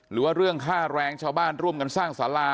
หรือว่าเรื่องค่าแรงชาวบ้านร่วมกันสร้างสารา